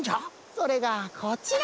それがこちら！